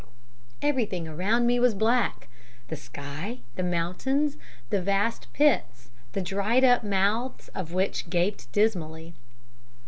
Everything around me was black the sky, the mountains, the vast pits, the dried up mouths of which gaped dismally.